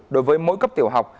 đối với mỗi cấp tiểu học